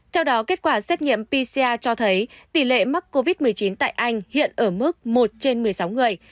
theo đó kết quả xét nghiệm pcr cho thấy tỷ lệ mắc covid một mươi chín tại anh hiện ở mức một trên một mươi sáu người